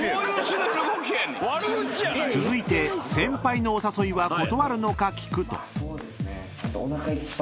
［続いて先輩のお誘いは断るのか聞くと］